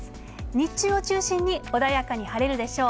日中を中心に穏やかに晴れるでしょう。